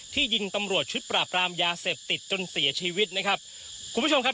ยิงตำรวจชุดปราบรามยาเสพติดจนเสียชีวิตนะครับคุณผู้ชมครับ